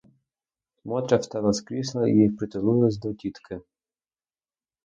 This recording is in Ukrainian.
Мотря встала з крісла і притулилася до тітки.